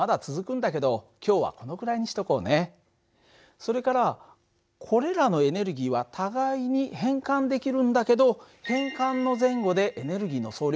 それからこれらのエネルギーは互いに変換できるんだけど変換の前後でエネルギーの総量は変わらない。